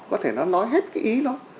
có thể nó nói hết cái ý đó